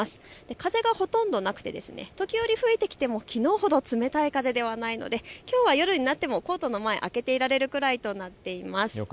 風がほとんどなくて、時折、吹いてきてもきのうほど冷たい風ではないのできょうは夜になってもコートの前、開けていられるくらいとなっています。